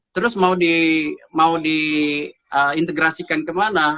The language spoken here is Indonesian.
terus mau di integrasikan kemana